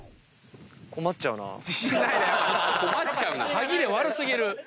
歯切れ悪過ぎる。